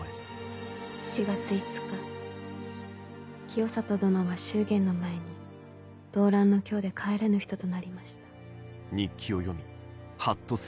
清里殿は祝言の前に動乱の京で帰らぬ人となりました」。